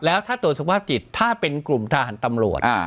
แล้วถ้าตรวจสุขภาพจิตถ้าเป็นกลุ่มทหารตำรวจ